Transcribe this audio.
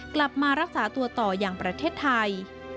กลับมารักษาตัวต่ออย่างประเทศไทย